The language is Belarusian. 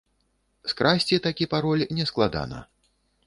Скрасці такі пароль нескладана.